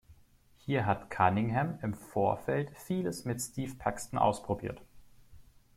Hier hat Cunningham im Vorfeld vieles mit Steve Paxton ausprobiert.